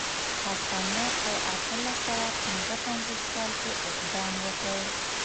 هسپانیا په اتلس سوه پنځه پنځوس کال کې اقدام وکړ.